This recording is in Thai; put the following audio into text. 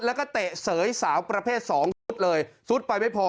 แล้วก็เตะเสยสาวประเภทสองซุดเลยซุดไปไม่พอ